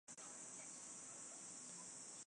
哈德逊郡是纽泽西州内人口密度最高的郡。